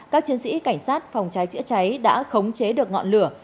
các chiến sĩ cảnh sát phòng cháy chữa cháy đã khống chế được ngọn lửa